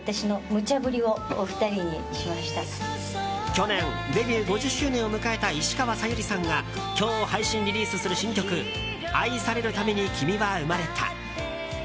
去年デビュー５０周年を迎えた石川さゆりさんが今日配信リリースする新曲「愛されるために君は生まれた」。